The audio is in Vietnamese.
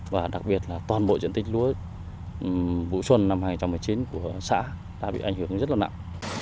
và đặc biệt là toàn bộ diện tích lúa vụ xuân năm hai nghìn một mươi chín của xã đã bị ảnh hưởng rất là nặng